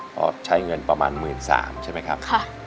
ก็ใช้เงินประมาณ๑๓๐๐ใช่ไหมครับ